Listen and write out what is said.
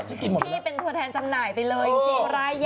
พี่เป็นตัวแทนจำหน่ายไปเลย